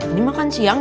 ini makan siang ya